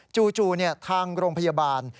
จู่ทางโรงพยาบาล